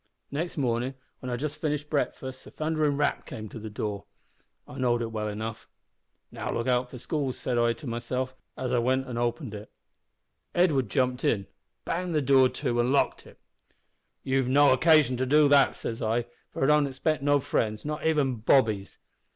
"Next mornin', when I'd just finished breakfast a thunderin' rap came to the door. I know'd it well enough. `Now look out for squalls,' said I to myself, as I went an' opened it. Edwin jumped in, banged the door to, an' locked it. "`You've no occasion to do that' says I, `for I don't expect no friends not even bobbies.'